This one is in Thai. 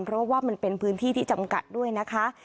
เพราะว่ามันเป็นพื้นที่ที่จำกัดด้วยนะคะ